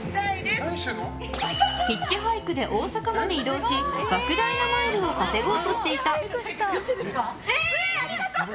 ヒッチハイクで大阪まで移動し莫大なマイルを稼ごうとしていた。